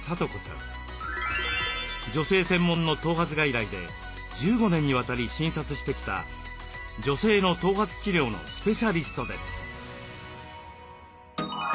女性専門の頭髪外来で１５年にわたり診察してきた女性の頭髪治療のスペシャリストです。